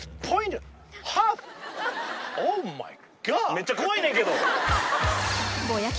めっちゃ怖いねんけど！